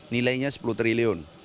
nilainya sepuluh triliun